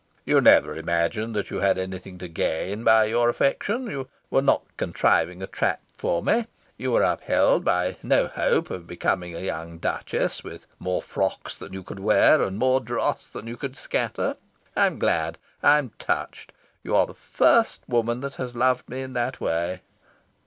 "You never imagined that you had anything to gain by your affection. You were not contriving a trap for me. You were upheld by no hope of becoming a young Duchess, with more frocks than you could wear and more dross than you could scatter. I am glad. I am touched. You are the first woman that has loved me in that way.